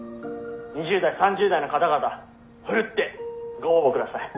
２０代３０代の方々ふるってご応募ください」。